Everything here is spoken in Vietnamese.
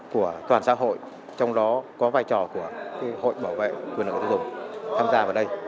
của toàn xã hội trong đó có vai trò của hội bảo vệ quyền lợi người tiêu dùng tham gia vào đây